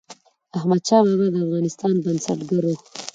احمدشاه بابا د افغانستان بنسټګر و.